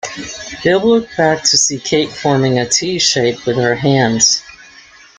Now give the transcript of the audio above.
Bill looked back to see Kate forming a T-shape with her hands.